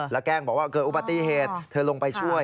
แล้วแกล้งบอกว่าเกิดอุบัติเหตุเธอลงไปช่วย